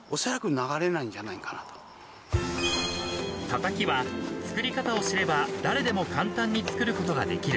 ［たたきは作り方を知れば誰でも簡単に作ることができる］